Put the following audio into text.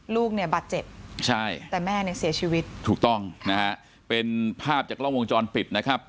ลูกเนี่ยบาดเจ็บใช่แต่แม่เนี่ยเสียชีวิตถูกต้องนะฮะเป็นภาพจากกล้องวงจรปิดนะครับ